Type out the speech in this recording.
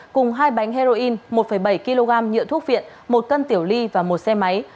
cùng hai bánh heroin một bảy kg nhựa thuốc viện một cân tiểu ly và một xe máy